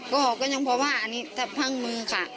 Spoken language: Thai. ก็ยังเพราะว่าถ้าพังมือค่ะ